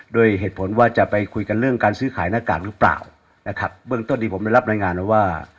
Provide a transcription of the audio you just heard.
ด้วยเหตุผลว่าจะไปคุยกันเรื่องการซื้อขายหน้ากากหรือเปล่านะครับเบื้องต้นที่ผมได้รับรายงานมาว่า